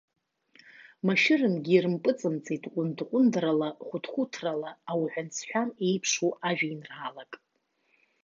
Машәырнгьы ирымпыҵымҵит ҟәындҟәындрала, хәыҭхәыҭрала, ауҳәан-сҳәан иеиԥшу ажәеинраалак.